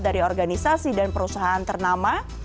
dari organisasi dan perusahaan ternama